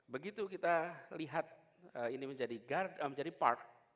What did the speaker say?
begitu kita lihat ini menjadi park